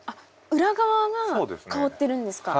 裏側が香ってるんですか？